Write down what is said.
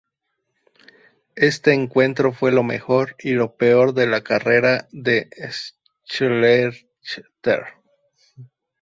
Este encuentro fue lo mejor y lo peor de la carrera de Schlechter.